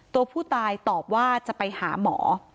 ตัวผู้ตายตอบว่าจะไปหาหมอ